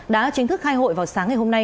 đã chính thức khai hội vào sáng ngày hôm nay